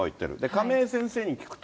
亀井先生に聞くと。